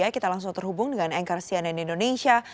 kita langsung terhubung dengan anchor cnn indonesia